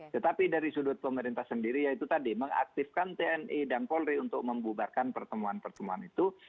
tetapi dari sudut pemerintah sendiri yaitu tadi mengaktifkan tni dan polri untuk membubarkan pertemuan pertemuan itu